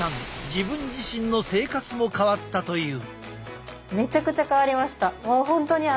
自分自身の生活も変わったという。